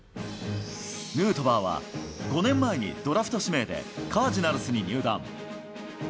ヌートバーは５年前にドラフト指名で、カージナルスに入団。